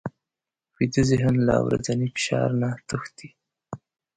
ویده ذهن له ورځني فشار نه تښتي